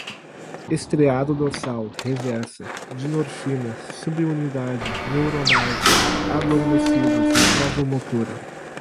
estriado dorsal, reversa, dinorfina, subunidade, neuronal, adormecidos, vasomotora